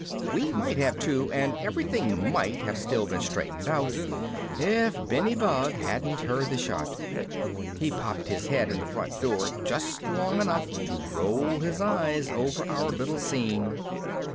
We might have too, and everything might have still been straightened out if Benny Bug hadn't heard the shot. He popped his head in the front door just long enough to roll his eyes over our little scene.